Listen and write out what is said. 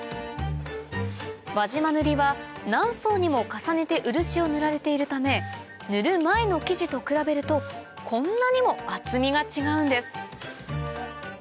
輪島塗は何層にも重ねて漆を塗られているため塗る前の木地と比べるとこんなにも厚みが違うんです